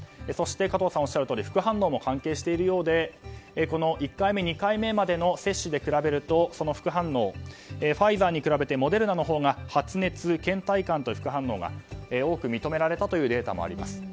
そして、加藤さんがおっしゃるとおり副反応も関係しているようで１回目、２回目までの接種で比べると、副反応ファイザーに比べてモデルナのほうが発熱、倦怠感という副反応が大きく認められたデータもあります。